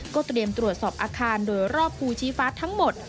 เตรียมตรวจสอบอาคารโดยรอบภูชีฟ้าทั้งหมด